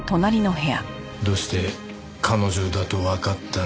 どうして彼女だとわかったんですか？